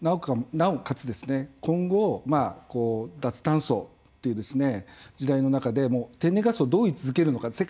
なおかつ、今後脱炭素という時代の中で天然ガスを、どうい続けるのか。